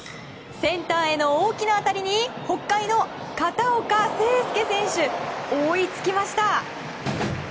センターへの大きな当たりに北海の片岡誠亮選手追いつきました！